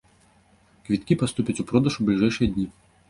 Квіткі паступяць у продаж у бліжэйшыя дні.